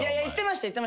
行ってました。